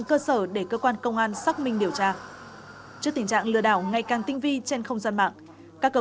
công nghệ hóa minh điều tra trước tình trạng lừa đảo ngày càng tinh vi trên không gian mạng các cơ